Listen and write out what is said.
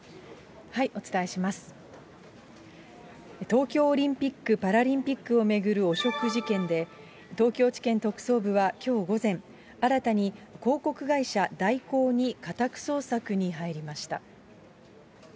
東京オリンピック・パラリンピックを巡る汚職事件で、東京地検特捜部はきょう午前、新たに広告会社、大広に家宅捜索に入りました。